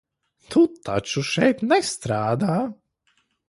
Tu taču šeit nestrādā?